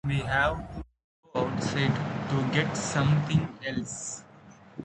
We have to go outside to get something else.